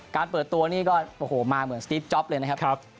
การเปลุกรองทางตัวนี้ก็โอ้โหมาเหมือนสติ๊ทจ๊อปเลยนะครับ